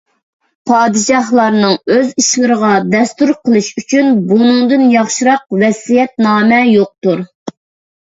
پادىشاھلارنىڭ ئۆز ئىشىلىرىغا دەستۇر قىلىشى ئۈچۈن بۇنىڭدىن ياخشىراق ۋەسىيەتنامە يوقتۇر.